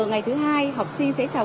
ngày thứ hai học sinh sẽ trào cờ